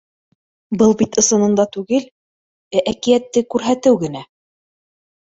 Был бит ысынында түгел, ә әкиәтте күрһәтеү генә.